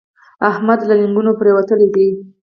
احمد له لېنګو پرېوتلی دی.